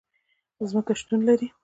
ځمکه شتون لري